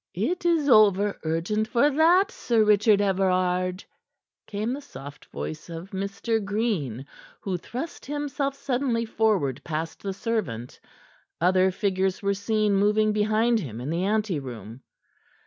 "It is over urgent for that, Sir Richard Everard," came the soft voice of Mr. Green, who thrust himself suddenly forward past the servant. Other figures were seen moving behind him in the ante room.